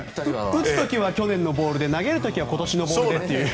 打つ時は去年のボールで投げる時は今年のボールでっていう。